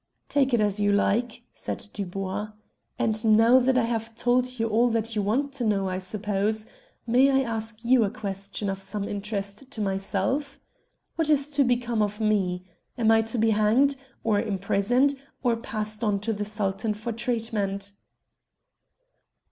"Take it as you like," said Dubois. "And now that I have told you all that you want to know, I suppose, may I ask you a question of some interest to myself? What is to become of me? Am I to be hanged, or imprisoned, or passed on to the Sultan for treatment?"